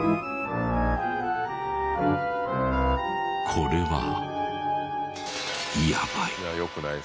これはやばい。